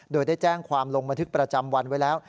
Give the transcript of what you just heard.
โดยได้แจ้งความลงบันทึกประจำวันไว้แล้ว